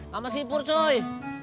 nama si pur suy